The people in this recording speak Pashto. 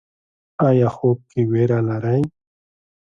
ایا خوب کې ویره لرئ؟